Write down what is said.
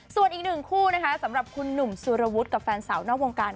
ส่วนอีกหนึ่งคู่นะคะสำหรับคุณหนุ่มสุรวุฒิกับแฟนสาวนอกวงการ